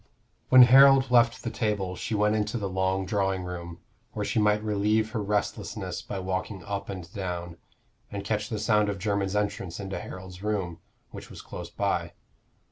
When Harold left the table she went into the long drawing room, where she might relieve her restlessness by walking up and down, and catch the sound of Jermyn's entrance into Harold's room, which was close by.